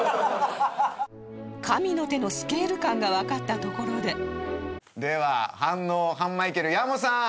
神の手のスケール感がわかったところででは半農半マイケルやもさん！